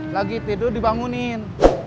lagi tidur dibangunin